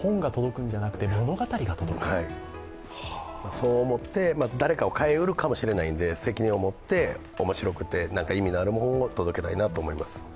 そう思って、誰かを変えうるかもしれないので責任を持って、おもしろくて意味のあるものを届けたいと思います。